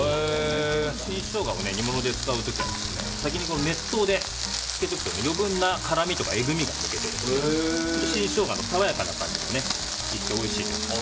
新ショウガを煮物で使う時は先に熱湯で漬けておくと余分な辛味やえぐみが抜けて新ショウガの爽やかな感じが出ておいしいです。